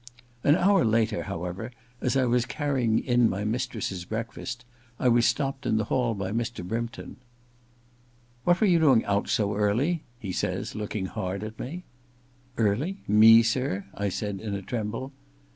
An hour later, however, as I was carrying in my mistress's breakfast, I was stopped in the hall by Mr. Brympton. * What were you doing out so early ?' he says, looking hard at me. * Early — me, sir ?' I said, in a tremble.